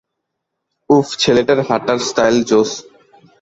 উফ, ছেলেটার হাঁটার স্টাইল জোশ।